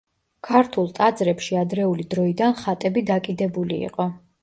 ქართულ ტაძრებში ადრეული დროიდან ხატები დაკიდებული იყო.